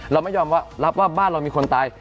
เราไม่ยอมรับว่าบ้านเรามีคนตาย